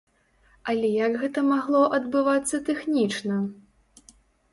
Але як гэта магло адбывацца тэхнічна?